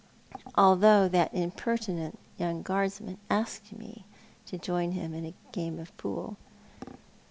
although that impertinent yonng guardsman asked me to join ia a game of pool.